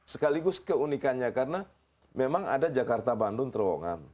sekaligus keunikannya karena memang ada jakarta bandung terowongan